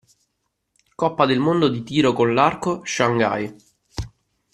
Coppa del mondo di tiro con l'arco, shanghai.